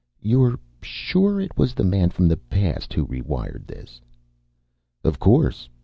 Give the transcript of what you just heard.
"You're sure it was the man from the past who rewired this?" "Of course.